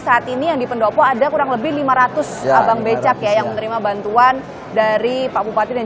saat ini yang di pendopo ada kurang lebih lima ratus abang becak ya yang menerima bantuan dari pak bupati dan